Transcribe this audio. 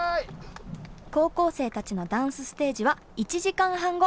高校生たちのダンスステージは１時間半後。